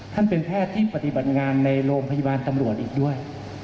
ท่านเป็นแพทย์ที่ปฏิบัติงานในโรงพยาบาลตำรวจอีกด้วย